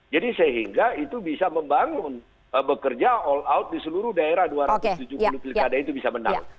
jadi sehingga itu bisa membangun bekerja all out di seluruh daerah dua ratus tujuh puluh pilkada itu bisa menang